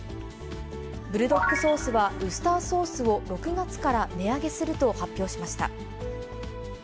ブルドックソースは、ウスターソースを６月から値上げすると発表しました。